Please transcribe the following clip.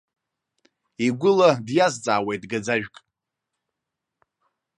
Игәыла диазҵаауеит гаӡажәк.